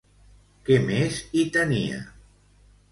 Què més hi tenia?